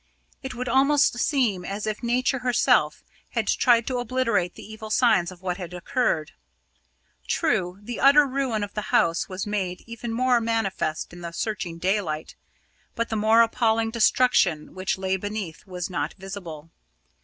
It would almost seem as if Nature herself had tried to obliterate the evil signs of what had occurred. True, the utter ruin of the house was made even more manifest in the searching daylight; but the more appalling destruction which lay beneath was not visible.